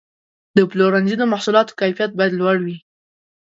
د پلورنځي د محصولاتو کیفیت باید لوړ وي.